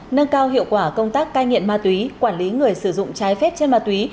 nâng cao hiệu quả công tác cai nghiện ma túy quản lý người sử dụng trái phép trên ma túy